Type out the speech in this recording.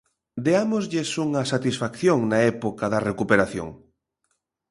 Deámoslles unha satisfacción na época da recuperación.